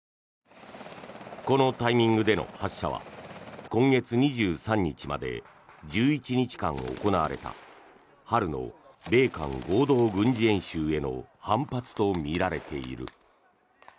このタイミングでの発射は今月２３日まで１１日間行われた春の米韓合同軍事演習への反発とみられている。